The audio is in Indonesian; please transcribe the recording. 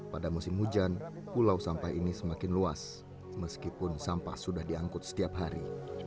pada musim hujan pulau sampah ini semakin luas meskipun sampah sudah diangkut setiap hari